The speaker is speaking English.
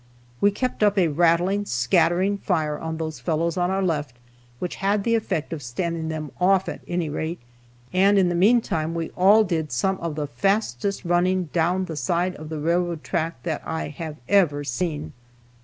We kept up a rattling, scattering fire on those fellows on our left which had the effect of standing them off, at any rate, and in the meantime we all did some of the fastest running down along the side of the railroad track that I have ever seen.